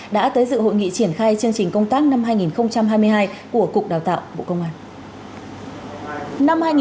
đã tới dự hội nghị triển khai chương trình công tác năm hai nghìn hai mươi hai của cục đào tạo bộ công an